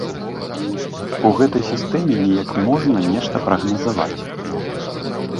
У гэтай сістэме неяк можна нешта прагназаваць.